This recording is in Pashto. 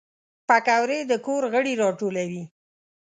پکورې د کور غړي راټولوي